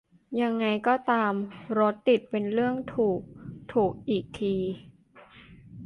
ยังไงก็ตาม "รถติดเป็นเรื่องถูก-ถูก" อีกที